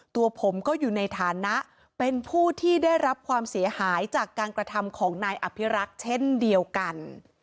ตัวผมก็อยู่ในฐานะเป็นผู้ที่ได้รับความเสียหายจากการกระทำของนายอภิรักษ์เช่นเดียวกัน